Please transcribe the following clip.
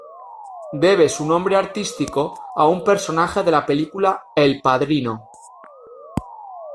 Debe su nombre artístico a un personaje de la película "El padrino".